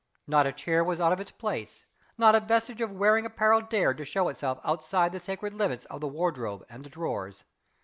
Not a chair was out of its place; not a vestige of wearing apparel dared to show itself outside the sacred limits of the wardrobe and the drawers.